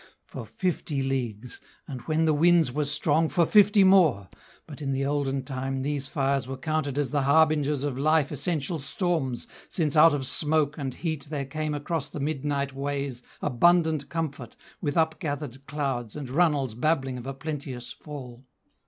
For fifty leagues; and when the winds were strong For fifty more! But in the olden time These fires were counted as the harbingers Of life essential storms, since out of smoke And heat there came across the midnight ways Abundant comfort, with upgathered clouds And runnels babbling of a plenteous fall.